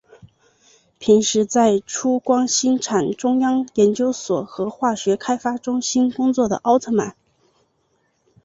平时在出光兴产中央研究所和化学开发中心工作的奥特曼。